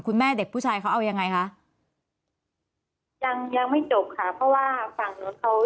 แม่เด็กผู้ชายเขาเอายังไงคะยังยังไม่จบค่ะเพราะว่าฝั่งนู้นเขา